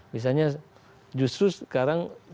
misalnya justru sekarang